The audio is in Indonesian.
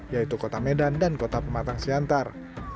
yaitu kota medan dan kota pematang siantar